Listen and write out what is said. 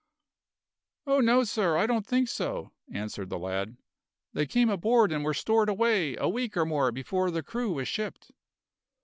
"Oh no, sir, I don't think so," answered the lad. "They came aboard and were stored away a week or more before the crew was shipped."